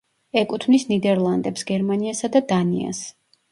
ეკუთვნის ნიდერლანდებს, გერმანიასა და დანიას.